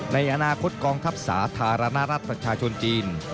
ในอนาคตกองทัพสาธารณรัฐประชาชนจีน